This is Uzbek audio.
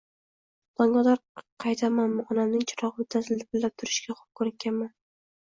tongotar qaytamanmi, onamning chirog'i muttasil lipillab turishiga xo'p ko'nikkan